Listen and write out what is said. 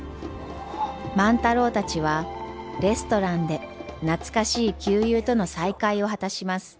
万太郎たちはレストランで懐かしい旧友との再会を果たします。